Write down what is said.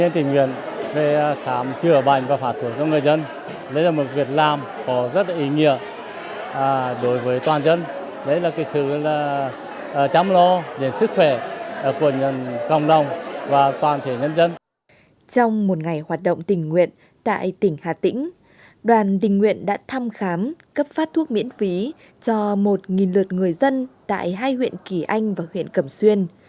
trong một ngày hoạt động tình nguyện tại tỉnh hà tĩnh đoàn tình nguyện đã thăm khám cấp phát thuốc miễn phí cho một lượt người dân tại hai huyện kỳ anh và huyện cầm xuyên